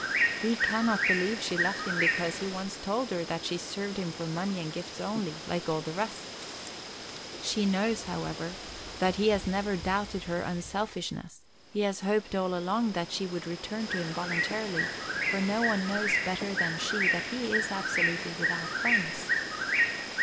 He can not believe she left him because he once told her that she served him for money and gifts only, like all the rest. She knows, however, that he has never doubted her unselfishness. He has hoped all along that she would return to him voluntarily, for no one knows better than she that he is absolutely without friends."